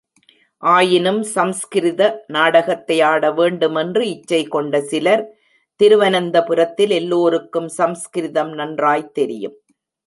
ஆயினும் சம்ஸ்கிருத நாடகத்தை ஆட வேண்டுமென்று இச்சை கொண்ட சிலர், திருவனந்தபுரத்தில் எல்லோருக்கும் சம்ஸ்கிருதம் நன்றாய்த் தெரியும்.